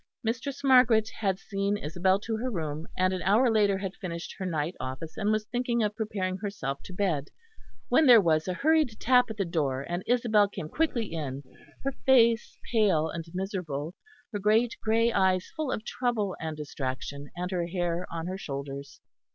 Mistress Margaret had seen Isabel to her room, and an hour later had finished her night office and was thinking of preparing herself to bed, when there was a hurried tap at the door, and Isabel came quickly in, her face pale and miserable, her great grey eyes full of trouble and distraction, and her hair on her shoulders.